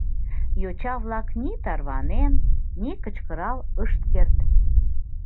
Йоча-влак ни тарванен, ни кычкырал ышт керт.